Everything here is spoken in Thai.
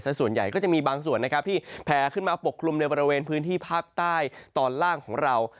ส่วนใหญ่ก็จะมีบางส่วนนะครับที่แผ่ขึ้นมาปกคลุมในบริเวณพื้นที่ภาคใต้ตอนล่างของเรา